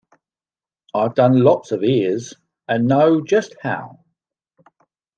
I've done lots of ears, and know just how.